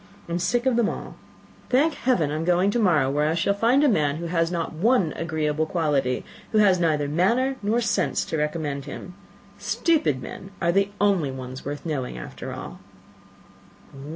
I am sick of them all. Thank heaven! I am going to morrow where I shall find a man who has not one agreeable quality, who has neither manners nor sense to recommend him. Stupid men are the only ones worth knowing, after all."